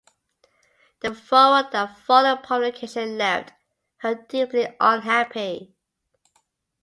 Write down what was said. The furore that followed publication left her deeply unhappy.